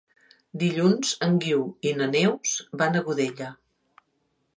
Dilluns en Guiu i na Neus van a Godella.